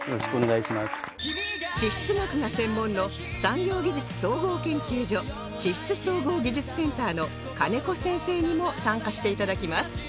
地質学が専門の産業技術総合研究所地質総合技術センターの兼子先生にも参加して頂きます